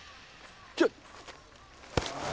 ちょっえ